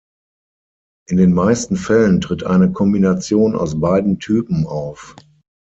In den meisten Fällen tritt eine Kombination aus beiden Typen auf.